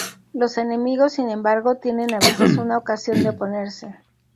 Los enemigos, sin embargo, tienen a veces una ocasión de oponerse.